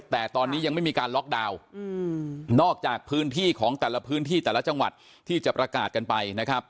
แต่ตอนนี้ยังไม่มีการล็อกดาวน์นอกจากพื้นที่ของแต่ละพื้นที่แต่ละจังหวัดที่จะประกาศกันไปนะครับ